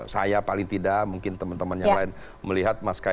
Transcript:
saya paling tidak mungkin temen temen yang lain melihat mas ksang